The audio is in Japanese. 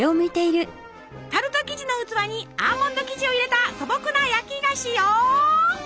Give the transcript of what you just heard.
タルト生地の器にアーモンド生地を入れた素朴な焼き菓子よ！